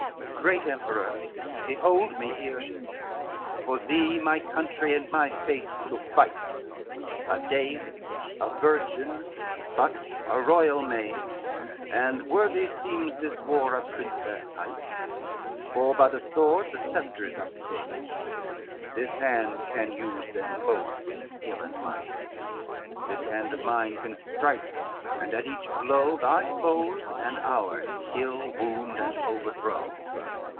XLIII "Great Emperor, behold me here," she said. "For thee, my country, and my faith to fight, A dame, a virgin, but a royal maid; And worthy seems this war a princess hight, For by the sword the sceptre is upstayed, This hand can use them both with skill and might, This hand of mine can strike, and at each blow Thy foes and ours kill, wound, and overthrow.